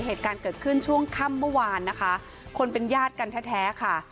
เหตุการณ์เกิดขึ้นช่วงค่ำเมื่อวานนะคะคนเป็นญาติกันแท้แท้ค่ะ